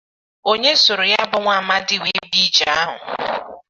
onye soro ya bụ nwa amadi wee bịa ije ahụ